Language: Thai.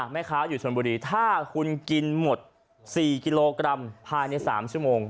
แม่ค้าอยู่ชนบุรีถ้าคุณกินหมด๔กิโลกรัมภายใน๓ชั่วโมง